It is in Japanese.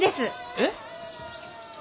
えっ？